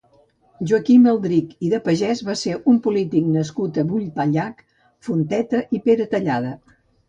Joaquim Aldrich i de Pagès va ser un polític nascut a Vulpellac, Fonteta i Peratallada.